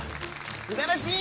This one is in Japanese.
「すばらしい！」